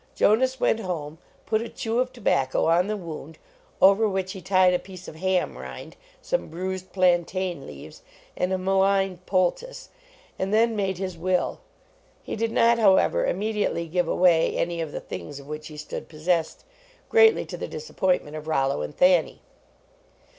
Jonas went home, put a chew of tobacco on the wound, over which he tied a piece of ham rind, some bruised plantain leaves and a mullein poultice, and then made his will. He did not, however, immediately give away any of the things of which he stood possessed, greatly to the disappoint ment of Rollo and Thanny.